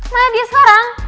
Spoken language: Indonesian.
mana dia sekarang